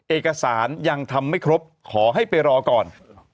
เอกสารยังทำไม่ครบขอให้ไปรอก่อน